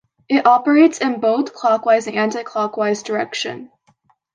It operates in both clockwise and anti-clockwise direction.